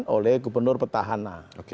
oleh gubernur petahana